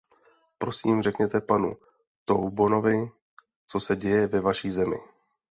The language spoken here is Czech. Prosím řekněte panu Toubonovi, co se děje ve vaší zemi.